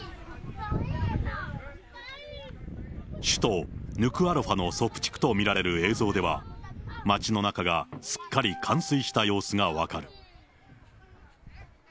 首都ヌクアロファのソプ地区と見られる映像では、街の中がすっかり冠水した様子が分かる。